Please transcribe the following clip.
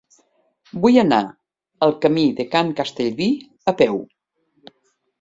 Vull anar al camí de Can Castellví a peu.